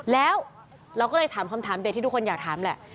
แล้วเราก็เลยถามคำถามเด็กที่ทุกคนอยากถามแหละ